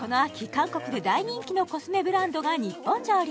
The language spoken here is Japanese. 韓国で大人気のコスメブランドが日本上陸